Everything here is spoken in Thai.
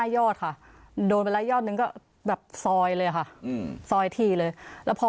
ยอดค่ะโดนไปแล้วยอดนึงก็แบบซอยเลยค่ะซอยทีเลยแล้วพอ